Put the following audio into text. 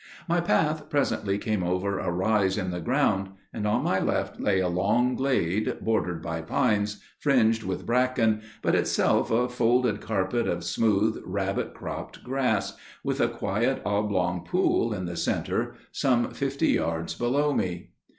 "My path presently came over a rise in the ground; and on my left lay a long glade, bordered by pines, fringed with bracken, but itself a folded carpet of smooth rabbit cropped grass, with a quiet oblong pool in the centre, some fifty yards below me.